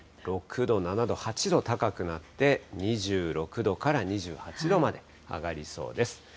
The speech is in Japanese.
きのうに比べても、６度、７度、８度高くなって、２６度から２８度まで上がりそうです。